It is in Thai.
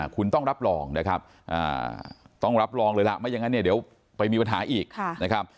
คุณต้องรับรองเลยล่ะไม่อย่างนั้นคุณจะไปมีปัญหาอีกนะครับ